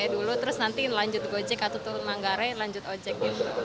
dulu terus nanti lanjut gojek atau turun manggarai lanjut ojek gitu